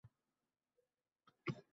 Hayronman, u sizdan nima istaydi, o`zi